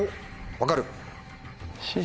分かる。